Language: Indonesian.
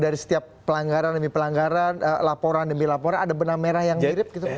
dari setiap pelanggaran demi pelanggaran laporan demi laporan ada benang merah yang mirip gitu